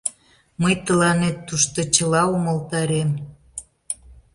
Мый тыланет тушто чыла умылтарем.